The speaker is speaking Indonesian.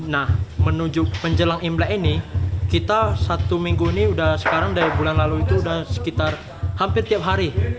nah menuju menjelang imlek ini kita satu minggu ini sudah sekarang dari bulan lalu itu sudah sekitar hampir tiap hari